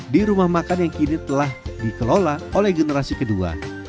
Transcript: di rumah makan yang kini telah dikelola oleh generasi kedua